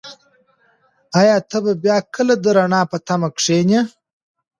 ایا ته به بیا کله د رڼا په تمه کښېنې؟